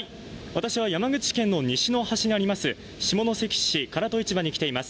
私は山口県の西の端にあります